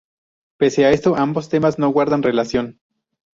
Pese a esto, ambos temas no guardan relación.